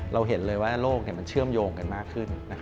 เราเห็นเลยว่าโลกมันเชื่อมโยงกันมากขึ้น